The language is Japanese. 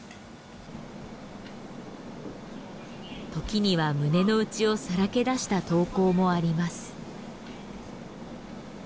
時には胸の内をさらけ出した投稿もあります。